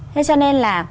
thế cho nên là